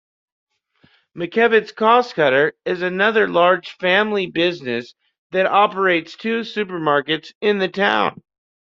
McKevitt's "Costcutter" is another large family business that operates two supermarkets in the town.